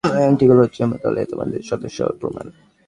এই আংটিগুলো হচ্ছে আমার দলে তোমাদের সদস্য হওয়ার প্রমাণ।